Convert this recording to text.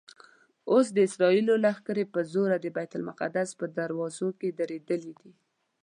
اوس د اسرائیلو لښکرې په زوره د بیت المقدس په دروازو کې درېدلي دي.